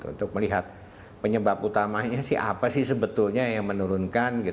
untuk melihat penyebab utamanya sih apa sih sebetulnya yang menurunkan